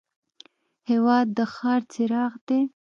هېواد د ښار څراغ دی.